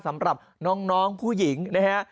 สำหรับน้องผู้หญิงนะฮะ